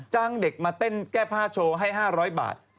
เด็กมาเต้นแก้ผ้าโชว์ให้๕๐๐บาท